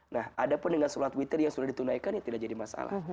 nah ada pun dengan sholat witir yang sudah ditunaikan ya tidak jadi masalah